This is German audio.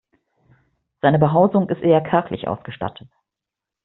Seine Behausung ist eher kärglich ausgestattet.